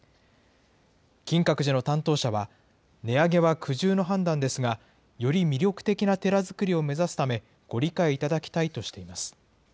金閣寺の担当者は値上げは苦渋の判断ですが、より魅力的な寺づくりを目指すため、ご理解いただきたいとしています。